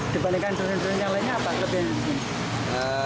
dibandingkan durian durian yang lainnya apa